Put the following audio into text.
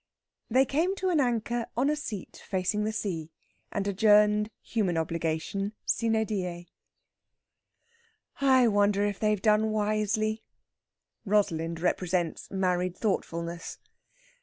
They came to an anchor on a seat facing the sea, and adjourned human obligation sine die. "I wonder if they've done wisely." Rosalind represents married thoughtfulness.